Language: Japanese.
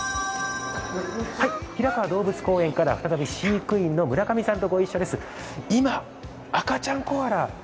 平川動物公園から再び飼育員の村上さんとご一緒です。